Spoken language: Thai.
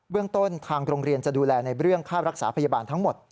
เรื่องต้นทางโรงเรียนจะดูแลในเรื่องค่ารักษาพยาบาลทั้งหมด